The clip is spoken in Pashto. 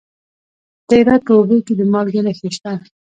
د هرات په اوبې کې د مالګې نښې شته.